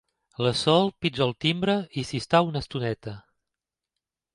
La Sol pitja el timbre i s'hi està una estoneta.